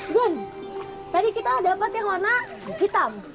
bun tadi kita dapat yang warna hitam